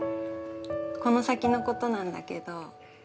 この先のことなんだけど。